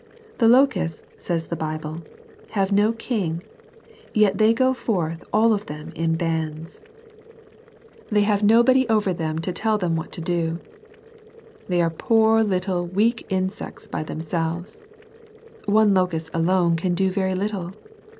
"The locusts," says the Bible, "have no king, yet go they forth al\ oi V!cvs^ xsi. Xsw^^''" 52 SERMONS FOR CHILDREN. They have nobody over them to tell them what to do. They are poor little weak insects by themselves. One locust alone can do very little.